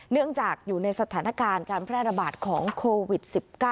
เนื่องจากอยู่ในสถานการณ์การแพร่ระบาดของโควิด๑๙